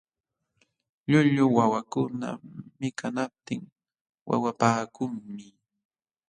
Llullu wawakuna mikanaptin wawapaakunmi.